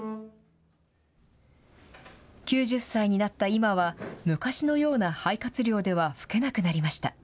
９０歳になった今は、昔のような肺活量では吹けなくなりました。